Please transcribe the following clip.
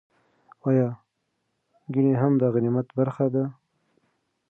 ایا ګېڼي هم د غنیمت برخه دي؟